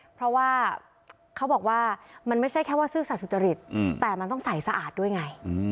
เพราะว่าเขาบอกว่ามันไม่ใช่แค่ว่าซื่อสัตว์สุจริตแต่มันต้องใส่สะอาดด้วยไง